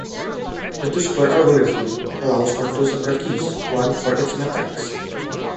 The two-square algorithm allows for two separate keys, one for each matrix.